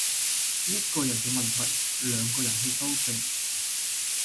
一個人嘅問題，兩個人去修正